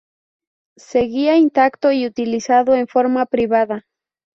Seguía intacto y utilizado en forma privada.